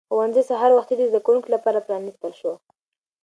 ښوونځی سهار وختي د زده کوونکو لپاره پرانیستل شو